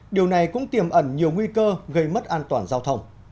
điều này cũng tiềm ẩn nhiều nguy cơ gây mất an toàn giao thông